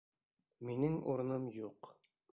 Минең урыным юҡ...